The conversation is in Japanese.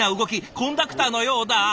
コンダクターのようだ！